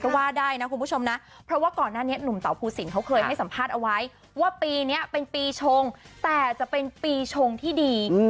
ก็ว่าได้นะคุณผู้ชมนะเพราะว่าก่อนหน้านี้หนุ่มเต่าภูสินเขาเคยให้สัมภาษณ์เอาไว้ว่าปีนี้เป็นปีชงแต่จะเป็นปีชงที่ดี